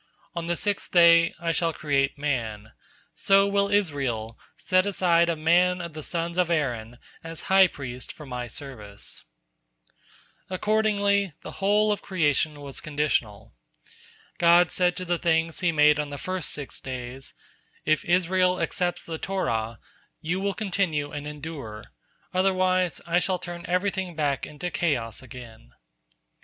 On the sixth day, I shall create man; so will Israel set aside a man of the sons of Aaron as high priest for My service." Accordingly, the whole of creation was conditional. God said to the things He made on the first six days: "If Israel accepts the Torah, you will continue and endure; otherwise, I shall turn everything back into chaos again."